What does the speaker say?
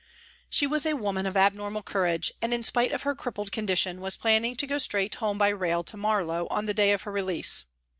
She was a woman of abnormal courage, and in spite of her crippled condition was planning to go straight home by rail to Mario w on the day of her release.